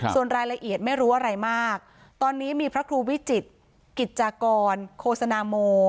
ส่วนรายละเอียดไม่รู้อะไรมากตอนนี้มีพระครูวิจิตรกิจจากรโฆษณาโม